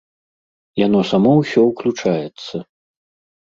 Яно само ўсё ўключаецца.